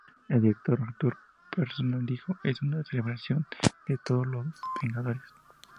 El director Arthur Parsons dijo "Es una celebración de todo lo de los Vengadores.